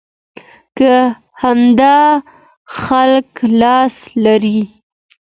کې همدا خلک لاس لري.